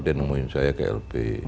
dia nemuin saya ke lp